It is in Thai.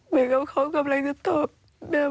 ไว้กับเขากำลังจะแบบ